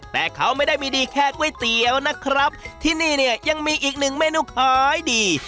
แต่เขาไม่ได้มีดีแค่ก๋วยเตี๋ยวนะครับที่นี่เนี่ยยังมีอีกหนึ่งเมนูขายดี